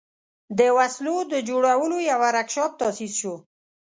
د وسلو د جوړولو یو ورکشاپ تأسیس شو.